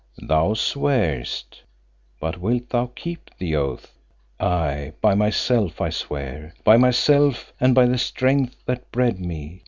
"Thou swearest; but wilt thou keep the oath?" "Aye, by myself I swear; by myself and by the Strength that bred me.